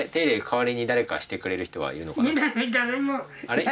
代わりに誰かしてくれる人はいるのかな？